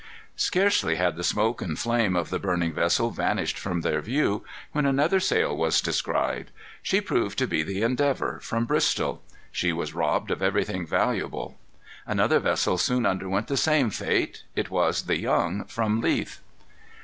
Scarcely had the smoke and flame of the burning vessel vanished from their view, when another sail was descried. She proved to be the Endeavor, from Bristol. She was robbed of everything valuable. Another vessel soon underwent the same fate. It was the Young, from Leith.